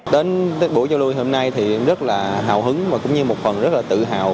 đến buổi giao lưu hôm nay thì em rất là hào hứng và cũng như một phần rất là tự hào